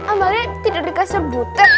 amalia tidur di kasur buta